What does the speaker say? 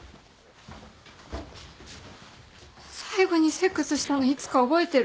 最後にセックスしたのいつか覚えてる？